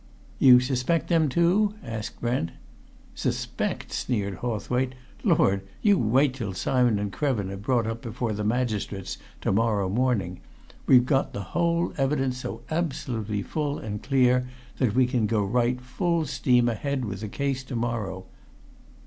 "You suspect them too?" asked Brent. "Suspect!" sneered Hawthwaite. "Lord! You wait till Simon and Krevin are brought up before the magistrates to morrow morning! We've got the whole evidence so absolutely full and clear that we can go right full steam ahead with the case to morrow.